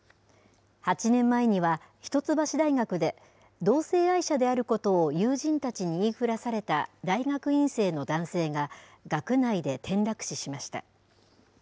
８年前には一橋大学で、同性愛者であることを友人たちに言い触らされた大学院生の男性が、学内で転落死しました。